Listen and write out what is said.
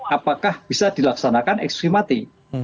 apakah bisa dilaksanakan eksekusi mati